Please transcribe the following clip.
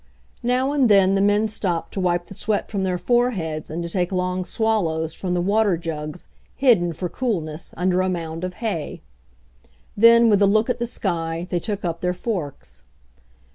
Now and then the men stopped to wipe the sweat from their foreheads and to take long swal lows from the water jugs, hidden, for coolness, under a mound of hay. Then, with a look at the sky, they took up their forks.